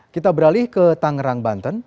kita beralih ke tangerang banten